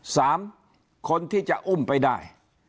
สามคนที่จะอุ้มไปได้